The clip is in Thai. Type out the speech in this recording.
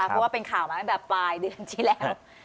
เพราะว่าเป็นข่าวมาตั้งแต่ปลายเดือนที่แล้ว